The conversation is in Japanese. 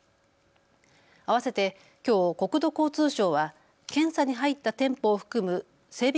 合わせてきょう国土交通省は検査に入った店舗を含む整備